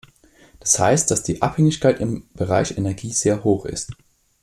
Das heißt, dass die Abhängigkeit im Bereich Energie sehr hoch ist.